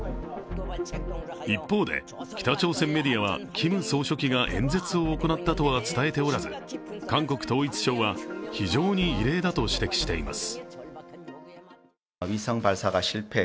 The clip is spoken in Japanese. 一方で、北朝鮮メディアはキム総書記が演説を行ったとは伝えておらず韓国統一省は非常に異例だと指摘しています。